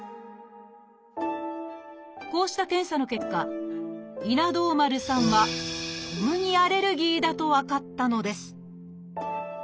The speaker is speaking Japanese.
こうした検査の結果稲童丸さんは小麦アレルギーだと分かったのです